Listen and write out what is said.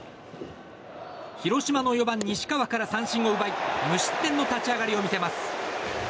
広島の４番、西川から三振を奪い無失点の立ち上がりを見せます。